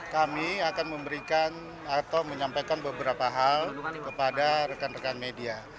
kami akan memberikan atau menyampaikan beberapa hal kepada rekan rekan media